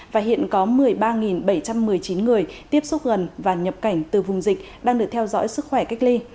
và hiện có một mươi ba bảy trăm một mươi chín người tiếp xúc gần và nhập cảnh từ vùng dịch đang được theo dõi sức khỏe cách ly